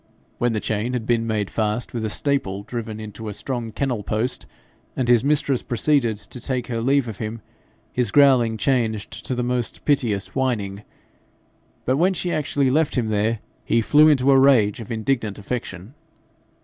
When the chain had been made fast with a staple driven into a strong kennel post, and his mistress proceeded to take her leave of him, his growling changed to the most piteous whining; but when she actually left him there, he flew into a rage of indignant affection.